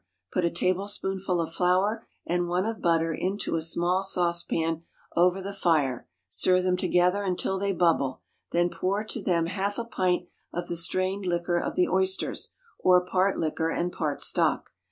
Put a tablespoonful of flour and one of butter into a small saucepan over the fire, stir them together until they bubble; then pour to them half a pint of the strained liquor of the oysters, or part liquor and part stock.